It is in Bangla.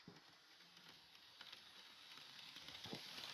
আমাদের কাছে কী লুকাচ্ছো?